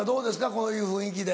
こういう雰囲気で。